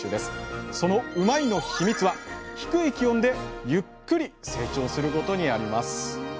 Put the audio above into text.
そのうまいッ！のヒミツは低い気温でゆっくり成長することにあります